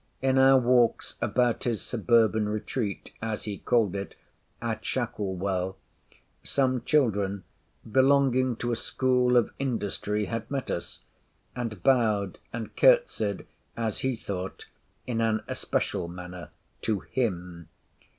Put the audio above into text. In our walks about his suburban retreat (as he called it) at Shacklewell, some children belonging to a school of industry had met us, and bowed and curtseyed, as he thought, in an especial manner to him.